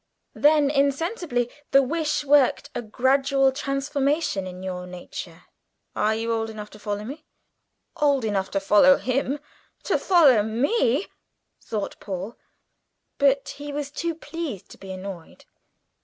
"Then insensibly the wish worked a gradual transformation in your nature (you are old enough to follow me?)." "Old enough for him to follow me!" thought Paul; but he was too pleased to be annoyed.